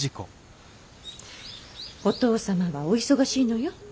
お父様はお忙しいのよ。